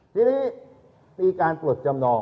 ทีนี้มีการปลดจำนอง